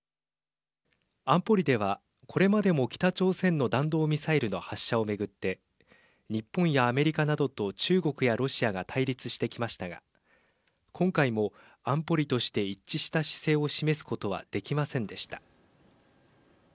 安保理ではこれまでも北朝鮮の弾道ミサイルの発射を巡って日本やアメリカなどと中国やロシアが対立してきましたが今回も安保理として一致した姿勢を示すことはできませんでした。